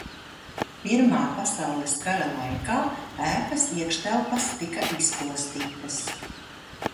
Pirmā pasaules kara laikā ēkas iekštelpas tika izpostītas.